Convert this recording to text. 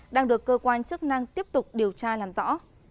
đang được cơ quan chức năng tiếp tục điều tra làm rõ